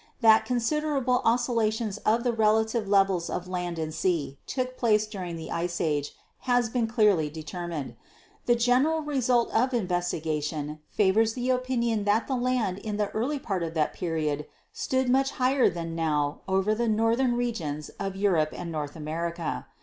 That considerable oscillations of the relative levels of land and sea took place during the Ice Age has been clearly determined. The general result of investigation favors the opinion that the land in the early part of that period stood much higher than now over the northern regions of Europe and North America.